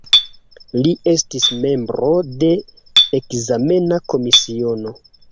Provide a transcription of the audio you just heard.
Li estis membro de ekzamena komisiono.